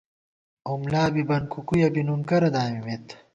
اُملا بی، بن کوُکوُیَہ بی نُن کرہ دامِمېت